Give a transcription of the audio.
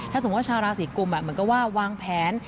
ถ้าสมมุติชาวราศีกุมเหมือนกับว่าวางแผน